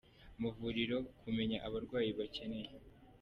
amavuriro, kumenya abarwayi bakeneye.